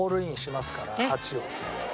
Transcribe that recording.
８を。